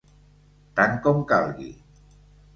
Tant com calgui.